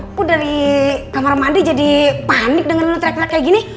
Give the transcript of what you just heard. aku dari kamar mandi jadi panik dengan lo teriak teriak kayak gini